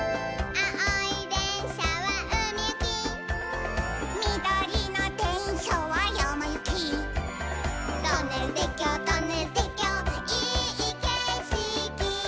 「あおいでんしゃはうみゆき」「みどりのでんしゃはやまゆき」「トンネルてっきょうトンネルてっきょういいけしき」